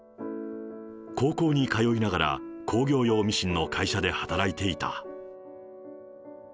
高校に通いながら、工業用ミシンの会社で働いていた。